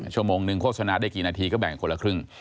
ชั่วโมงนึงโฆษณาได้กี่นาทีก็แบ่งคนละครึ่ง